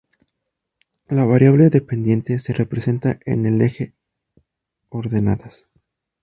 La variable dependiente se representa en el eje ordenadas.